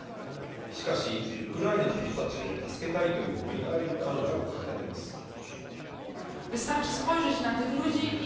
しかし、ウクライナの人たちを助けたいという思いが、彼女を駆り立てます。